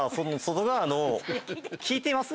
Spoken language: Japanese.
聞いています？